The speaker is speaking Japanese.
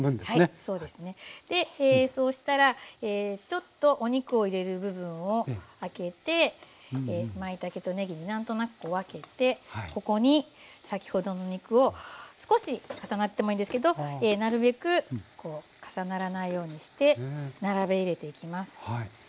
そうしたらちょっとお肉を入れる部分をあけてまいたけとねぎに何となく分けてここに先ほどの肉を少し重なってもいいですけどなるべく重ならないようにして並べ入れていきます。